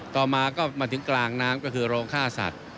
ต่อมาก็มาถึงกลางน้ำก็คือโรงฆ่าสัตว์